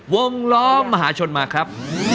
วงล้อมหาชนมาครับ